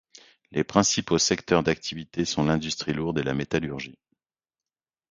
Les principaux secteurs d'activité sont l'industrie lourde et la métallurgie.